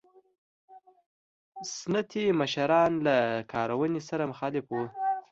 سنتي مشران له کارونې سره مخالف وو.